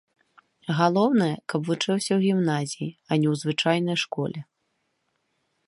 Галоўнае, каб вучыўся ў гімназіі, а не ў звычайнай школе.